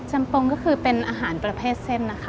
ปงก็คือเป็นอาหารประเภทเส้นนะคะ